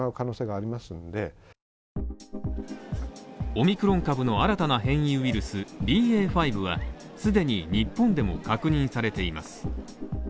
オミクロン株の新たな変異ウイルスＢＡ．５は既に日本でも確認されています。